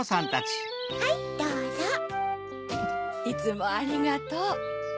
いつもありがとう。